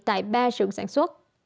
tại ba sưởng sản xuất